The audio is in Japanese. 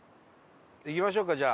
行きましょうかじゃあ。